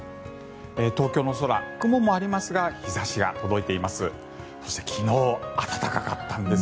東京の空、雲もありますが日差しが届いています。